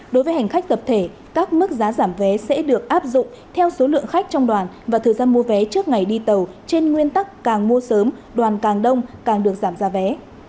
đối với hành khách tập thể các mức giá giảm vé sẽ được áp dụng theo số lượng khách trong đoàn và thời gian mua vé trước ngày đi tàu trên nguyên tắc càng mua sớm đoàn càng đông càng được giảm giá vé